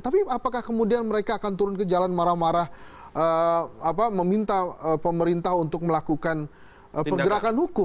tapi apakah kemudian mereka akan turun ke jalan marah marah meminta pemerintah untuk melakukan pergerakan hukum